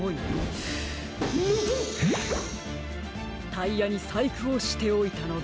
タイヤにさいくをしておいたのです。